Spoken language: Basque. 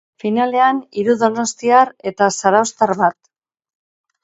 Finalean hiru donostiar eta zarauztar bat.